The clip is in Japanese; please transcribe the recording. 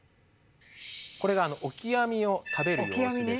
これがオキアミを食べる様子です。